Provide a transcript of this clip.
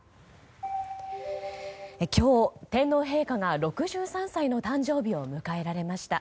今日、天皇陛下が６３歳の誕生日を迎えられました。